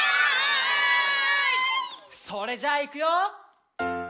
「それじゃあいくよ」